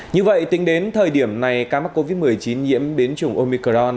như vậy tính đến thời điểm này ca mắc covid một mươi chín nhiễm biến chủng omicron